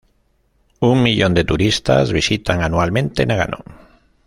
Un millón de turistas visitan anualmente Nagano.